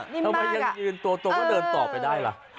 ทำไมยังยืนตัวก็เดินต่อไปได้ล่ะ